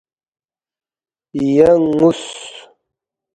ینگ نُ٘وس